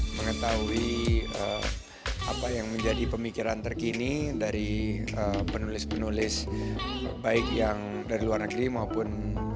mengetahui apa yang menjadi pemikiran terkini dari penulis penulis baik yang dari luar negeri maupun